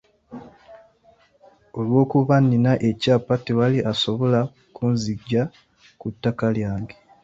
Olw'okuba nina ekyapa, tewali asobola kunzigya ku ttaka lyange.